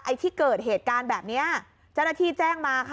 ที่เกิดเหตุการณ์แบบนี้เจ้าหน้าที่แจ้งมาค่ะ